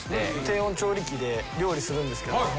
低温調理器で調理するんですけども。